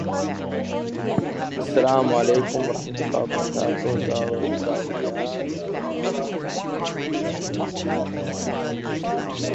It is an absolutely plain countryside, which was once full of fens.